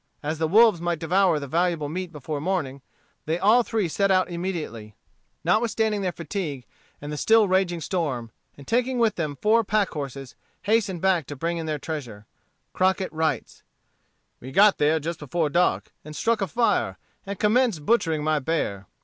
As the wolves might devour the valuable meat before morning, they all three set out immediately, notwithstanding their fatigue and the still raging storm, and taking with them four pack horses, hastened back to bring in their treasure. Crockett writes: "We got there just before dark, and struck a fire, and commenced butchering my bear.